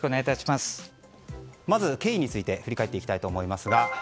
まず経緯について振り返っていきます。